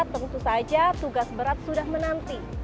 tentu saja tugas berat sudah menanti